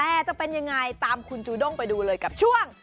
แต่จะเป็นยังไงตามคุณจูด้งไปดูเลยกับช่วง